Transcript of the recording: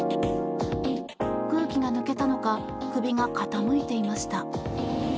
空気が抜けたのか首が傾いていました。